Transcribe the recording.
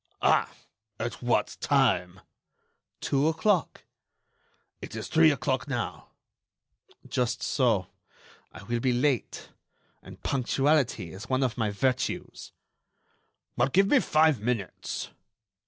"Ah! at what time?" "Two o'clock." "It is three o'clock now." "Just so; I will be late. And punctuality is one of my virtues." "Well, give me five minutes."